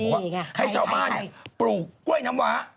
นี่ไงใครไงให้ชาวบ้านปลูกกล้วยน้ำหวา